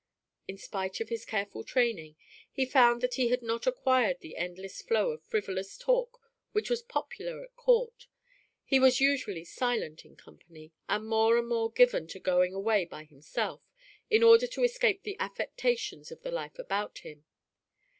In spite of his careful training he found that he had not acquired the endless flow of frivolous talk which was popular at court. He was usually silent in company, and more and more given to going away by himself, in order to escape the affectations of the life about him.